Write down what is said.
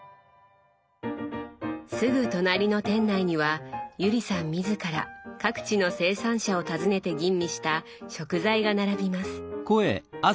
すぐ隣の店内には友里さん自ら各地の生産者を訪ねて吟味した食材が並びます。